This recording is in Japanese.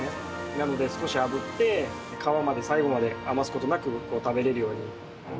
なので少しあぶって皮まで最後まで余す事なく食べられるように。